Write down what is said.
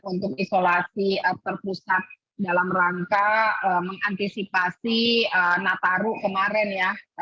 untuk isolasi terpusat dalam rangka mengantisipasi nataru kemarin ya